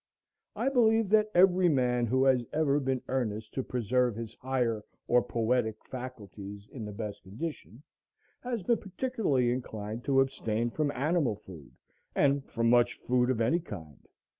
I believe that every man who has ever been earnest to preserve his higher or poetic faculties in the best condition has been particularly inclined to abstain from animal food, and from much food of any kind.